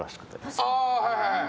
あはいはいはい。